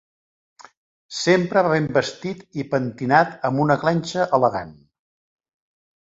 Sempre va ben vestit i pentinat amb una clenxa elegant.